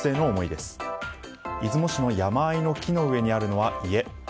出雲市の山あいの木の上にあるのは家。